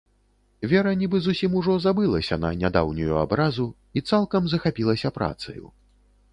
Вера нібы зусім ужо забылася на нядаўнюю абразу і цалкам захапілася працаю.